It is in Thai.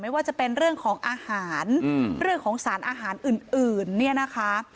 ว่าจะเป็นเรื่องของอาหารเรื่องของสารอาหารอื่นเนี่ยนะคะ